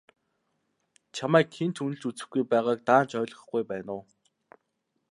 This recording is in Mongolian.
Чамайг хэн ч үнэлж үзэхгүй байгааг даанч ойлгохгүй байна уу?